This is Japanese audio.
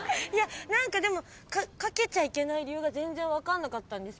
何かかけちゃいけない理由が全然分かんなかった。